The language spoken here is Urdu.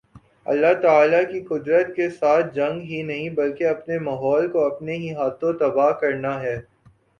اللہ تعالی کی قدرت کے ساتھ جنگ ہی نہیں بلکہ اپنے ماحول کو اپنے ہی ہاتھوں تباہ کرنا ہے